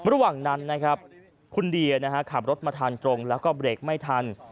ระหว่างนั้นนะครับคุณเดียขับรถมาทางตรงแล้วก็เบรกไม่ทัน